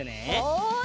はい。